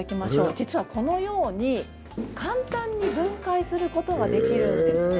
実はこのように、簡単に分解することができるんですね。